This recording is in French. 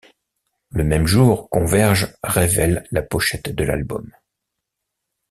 Le même jour, Converge révèle la pochette de l'album.